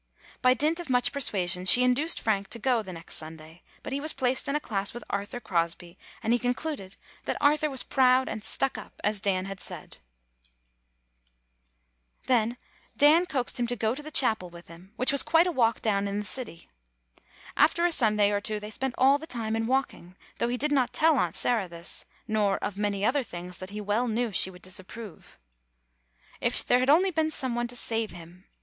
By dint of much persua sion, she induced Frank to go the next Sunday ; but he was placed in a class with Arthur Crosby, and he concluded then that Arthur was proud and "stuck up," as Dan had said. [Ill] AN EASTER LILY Then Dan coaxed him to go to the chapel with him, which was quite a walk down in the city. After a Sunday or two, they spent all the time in walking, though he did not tell Aunt Sarah this, nor of many other things that he well knew she would disapprove. If there had only been some one to save him!